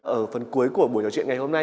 ở phần cuối của buổi trò chuyện ngày hôm nay